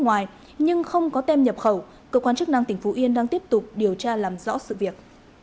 nước ngoài nhưng không có tem nhập khẩu cơ quan chức năng tỉnh phú yên đang tiếp tục điều tra làm rõ sự việc